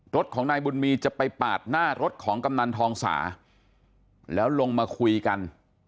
รถของนายบุญมีจะไปปาดหน้ารถของกำนันทองสาแล้วลงมาคุยกัน